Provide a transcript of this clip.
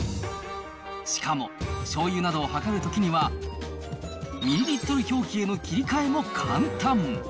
しかも、しょうゆなどを量るときには、ミリリットル表記への切り替えも簡単。